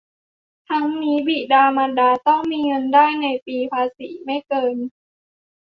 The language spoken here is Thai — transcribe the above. ทั้งนี้บิดามารดาต้องมีเงินได้ในปีภาษีไม่เกิน